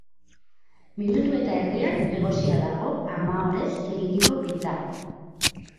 Minutu eta erdian egosia dago ama orez eginiko pizza.